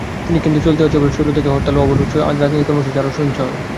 কিন্তু চলতি অর্থবছরের শুরু থেকে হরতাল, অবরোধসহ রাজনৈতিক কর্মসূচি আরও সহিংস হয়।